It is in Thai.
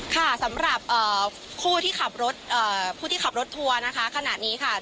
ค่ะสำหรับผู้ที่ขับรถทัวร์นะคะขณะนี้ค่ะ